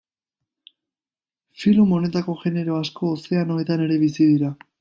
Filum honetako genero asko ozeanoetan ere bizi dira.